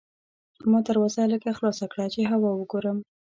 ما دروازه لږه خلاصه کړه چې هوا وګورم.